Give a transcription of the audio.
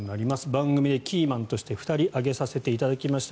番組でキーマンとして２人挙げさせていただきました。